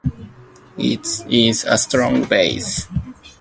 It is a strong base.